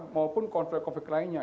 maupun konflik konflik lainnya